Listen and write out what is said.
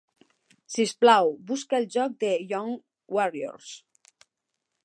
Sisplau, busca el joc The Young Warriors.